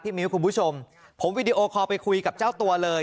มิ้วคุณผู้ชมผมวีดีโอคอลไปคุยกับเจ้าตัวเลย